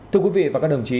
thưa quý vị và các đồng chí